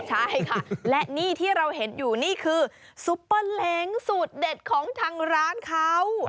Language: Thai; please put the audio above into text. ใช่ค่ะและนี่ที่เราเห็นอยู่นี่คือซุปเปอร์เล้งสูตรเด็ดของทางร้านเขา